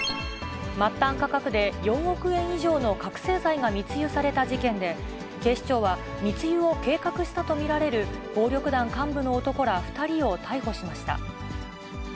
末端価格で４億円以上の覚醒剤が密輸された事件で、警視庁は、密輸を計画したと見られる暴力団幹部の男ら２人を逮捕しました。